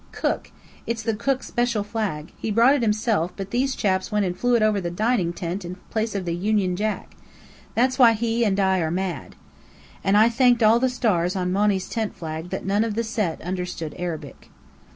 C O O K! It's the cook's special flag. He brought it himself, but these chaps went and flew it over the dining tent in place of the Union Jack. That's why he and I are mad." And I thanked all the stars on Monny's tent flag that none of the Set understood Arabic.